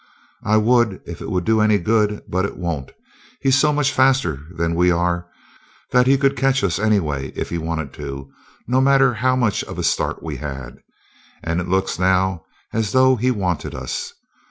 "I would, if it would do any good, but it won't. He's so much faster than we are that he could catch us anyway, if he wanted to, no matter how much of a start we had and it looks now as though he wanted us.